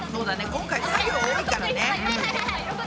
今回作業多いからね。